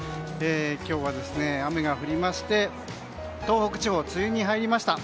今日は雨が降りまして東北地方、梅雨に入りました。